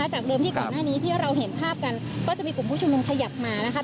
จากเดิมที่ก่อนหน้านี้ที่เราเห็นภาพกันก็จะมีกลุ่มผู้ชุมนุมขยับมานะคะ